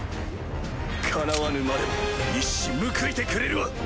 かなわぬまでも一矢報いてくれるわ！